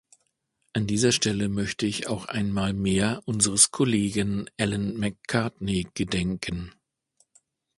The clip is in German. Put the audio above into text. An dieser Stelle möchte ich auch einmal mehr unseres Kollegen Allan Macartney gedenken.